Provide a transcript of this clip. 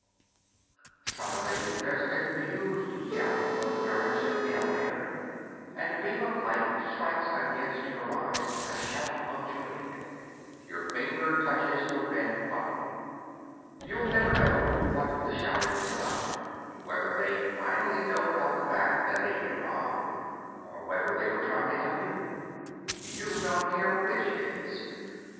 Suddenly, there's a confused yell from the direction of the elevator and a beam of light strikes against your eyes, with a shout punctuating it. Your finger touches the red button. You'll never know what the shouting was about whether they finally doped out the fact that they'd been robbed, or whether they were trying to help you. You don't care which it is.